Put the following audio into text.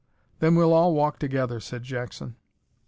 "Then we'll all walk together," said Jackson.